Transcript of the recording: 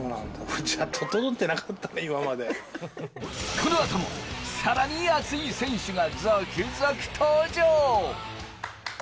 この後もさらにアツい選手が続々登場！